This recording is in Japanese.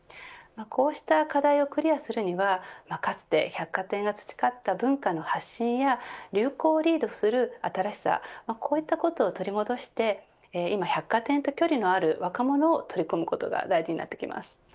こうした課題をクリアするにはかつて百貨店が培った文化の発信や流行をリードする新しさこういったことを取り戻して今、百貨店と距離のある若者を取り込むことが大事になってきます。